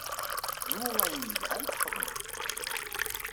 Nwu ayen yelhan, txedmeḍ-t.